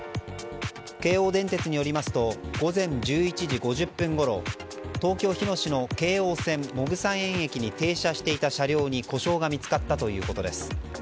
京王電鉄によりますと午前１１時５０分ごろ東京・日野市の京王線百草園駅に停車していた車両に故障が見つかったということです。